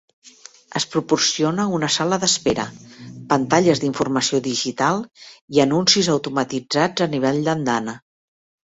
Es proporciona una sala d'espera, pantalles d'informació digital i anuncis automatitzats a nivell de l'andana.